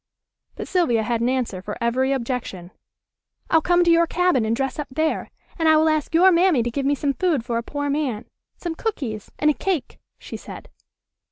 But Sylvia had an answer for every objection. "I'll come to your cabin and dress up there, and I will ask your mammy to give me some food for a poor man. Some cookies and a cake," she said.